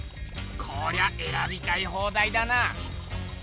こりゃえらびたい放題だな！